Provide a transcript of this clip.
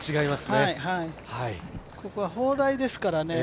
ここは砲台ですからね